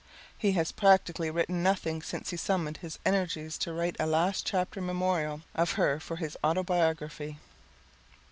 He has practically written nothing since he summoned his energies to write a last chapter memorial of her for his autobiography.